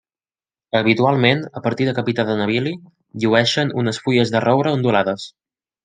Habitualment, a partir de Capità de Navili llueixen unes fulles de roure ondulades.